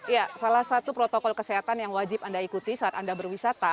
ya salah satu protokol kesehatan yang wajib anda ikuti saat anda berwisata